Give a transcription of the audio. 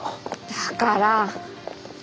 だから！